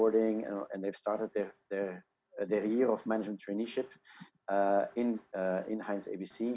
dan mereka memulai tahun pengadilan pengadilan di heinz abc